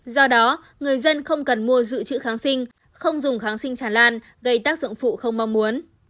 do đó người dân không cần mua dự trữ kháng sinh không dùng kháng sinh tràn lan gây tác dụng phụ không mong muốn